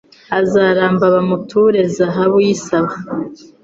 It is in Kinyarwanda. Azaramba bamuture zahabu y’i Saba